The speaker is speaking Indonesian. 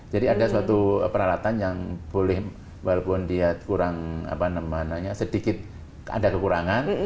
jadi ada suatu peralatan yang boleh walaupun dia kurang apa namanya sedikit ada kekurangan